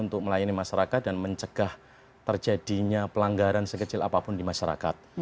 untuk melayani masyarakat dan mencegah terjadinya pelanggaran sekecil apapun di masyarakat